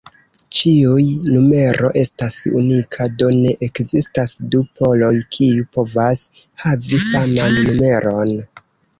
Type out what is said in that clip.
Ĉiuj numero estas unika, do ne ekzistas du poloj kiu povas havi saman numeron.